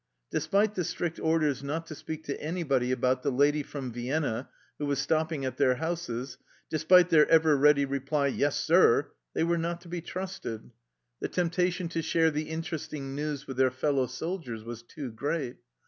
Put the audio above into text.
Despite the strict orders not to speak to anybody about the "lady from Vienna" who was stopping at their houses, despite their ever ready reply, " Yes, sir," they were not to be trusted ; the temptation to share the interesting news with their fellow soldiers was too great.